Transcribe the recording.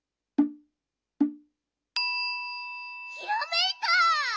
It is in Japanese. ひらめいた！